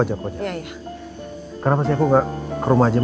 ajo yang kalian pake brother